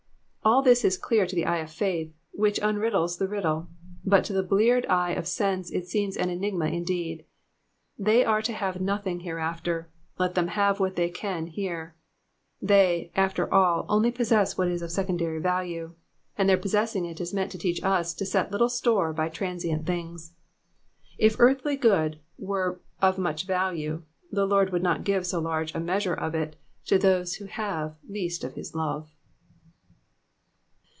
All this is clear to the eye of faith, which unriddles the riddle ; but to the bleared eye of sense it seems an enigma indeed. They are to have nothing hereafter, let them have what they can here ; they, after all, cnly possess what is of secondary value, and their possessing it is meant to teach us to set little store by transient things. If earthly good were of much value, the Lord would not give so large a measure of it to those who have least of his love.